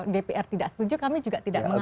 dpr tidak setuju kami juga tidak mengerti